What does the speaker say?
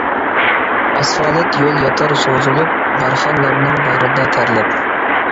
ئاسفالت يول ياتار سوزۇلۇپ، بارخانلارنىڭ باغرىدا تەرلەپ.